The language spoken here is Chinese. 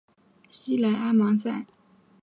西莱阿芒塞。